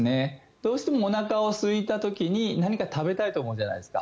どうしてもおなかがすいた時に何か食べたいと思うじゃないですか。